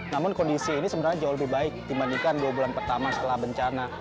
namun kondisi ini sebenarnya jauh lebih baik dibandingkan dua bulan pertama setelah bencana